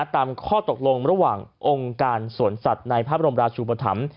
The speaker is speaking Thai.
ตามข้อตกลงระหว่างองค์การสวนสัตว์ในพระบรมราชุปธรรม